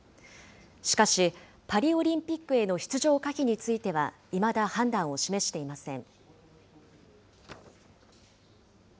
しかし、パリオリンピックへの出場可否については、いまだ判断を示していません。